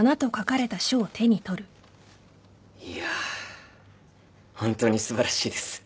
いやあ本当に素晴らしいです。